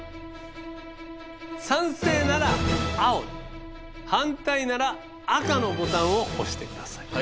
賛成なら青反対なら赤のボタンを押して下さい。